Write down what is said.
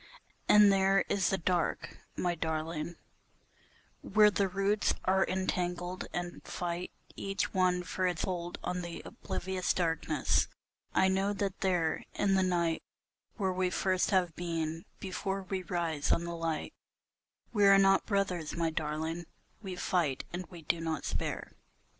And there is the dark, my darling, where the roots are entangled and fight Each one for its hold on the oblivious darkness, I know that there In the night where we first have being, before we rise on the light, We are not brothers, my darling, we fight and we do not spare.